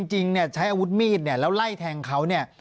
จริงเนี่ยใช้อาวุธมีดเนี่ยแล้วไล่แทงเขาเนี่ย